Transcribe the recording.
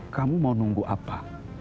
kamu mau nunggu apa